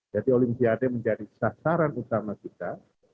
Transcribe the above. jadi olimpiade menjadi sasaran utama kita